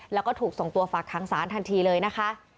แล้วก็ถูกส่งตัวฝากค้างศาลทันทีเลยนะคะ